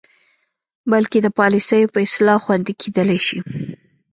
بلکې د پالسیو په اصلاح خوندې کیدلې شي.